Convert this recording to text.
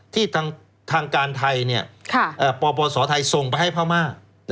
ที่ทางการไทยปปศไทยส่งไปให้พม่า